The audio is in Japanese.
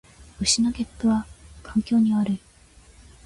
牛のげっぷは環境に悪い